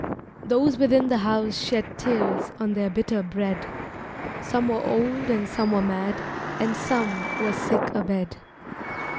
Those within the house shed tears On their bitter bread; Some were old and some were mad, And some were sick a bed.